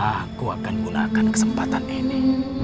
aku akan gunakan kesempatan ini